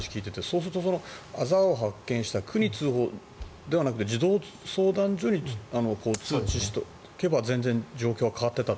そうすると、あざを発見した区に通報ではなく児童相談所に通知しておけば全然状況は変わっていたと。